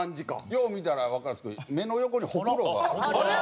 よう見たらわかるんですけど目の横にホクロが。